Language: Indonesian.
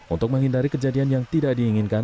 untuk menghindari kejadian yang tidak diinginkan